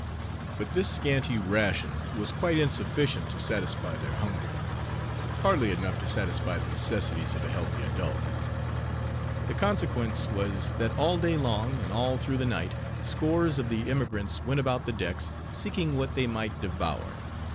But this scanty ration was quite insufficient to satisfy their hunger: hardly enough to satisfy the necessities of a healthy adult. The consequence was, that all day long, and all through the night, scores of the emigrants went about the decks, seeking what they might devour.